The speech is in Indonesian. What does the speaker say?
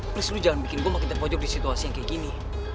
tolong jangan bikin gue makin terpojok di situasi yang kaya gini